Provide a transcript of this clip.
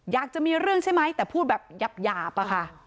อยากจะมีเรื่องใช่ไหมแต่พูดแบบหยาบอะค่ะ